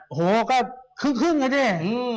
๕๐๕๐โอ้โหก็ครึ่งอ่ะสิ